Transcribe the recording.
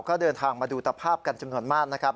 ก็เดินทางมาดูตภาพกันจำนวนมากนะครับ